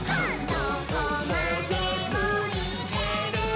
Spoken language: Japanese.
「どこまでもいけるぞ！」